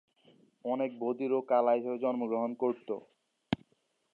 অনেকে বধির ও কালা হিসেবে জন্মগ্রহণ করত।